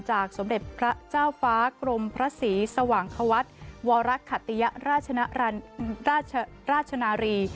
สมเด็จพระเจ้าฟ้ากรมพระศรีสว่างควัฒน์วรขติยราชนารี